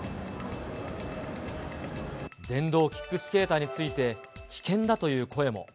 電動キックスケーターについて、危険だという声も。